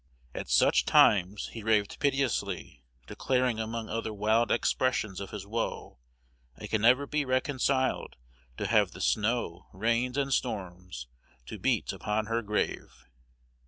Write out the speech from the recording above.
"At such times he raved piteously, declaring, among other wild expressions of his woe, 'I can never be reconciled to have the snow, rains, and storms to beat upon her grave!'"